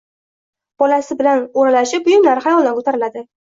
Bolasi bilan o`ralashib, buyumlari xayolidan ko`tariladi